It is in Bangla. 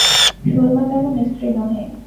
সুরমা তেমন স্ত্রী নহে।